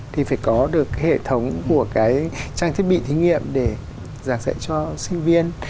thì phải có được cái hệ thống của cái trang thiết bị thí nghiệm để giảng dạy cho sinh viên